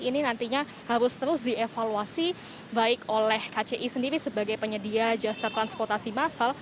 ini nantinya harus terus dievaluasi baik oleh kci sendiri sebagai penyedia jasa transportasi massal